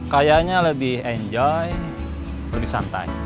kayaknya lebih enjoy lebih santai